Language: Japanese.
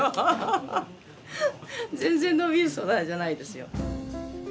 全然伸びる素材じゃないですよ。